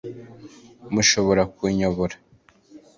mushobora kunyobora